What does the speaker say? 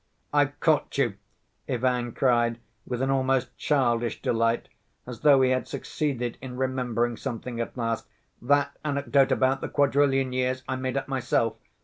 "I've caught you!" Ivan cried, with an almost childish delight, as though he had succeeded in remembering something at last. "That anecdote about the quadrillion years, I made up myself!